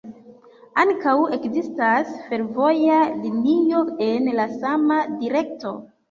Ankaŭ ekzistas fervoja linio en la sama direkto.